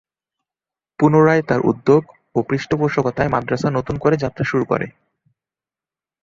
পুনরায় তার উদ্যোগ ও পৃষ্ঠপোষকতায় মাদরাসা নতুন করে যাত্রা শুরু করে।